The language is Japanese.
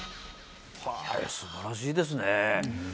素晴らしいですね。